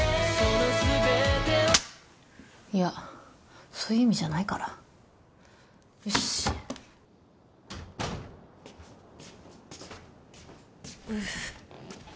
いやそういう意味じゃないからよしうっ